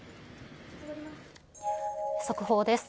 速報です。